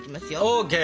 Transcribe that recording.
ＯＫ。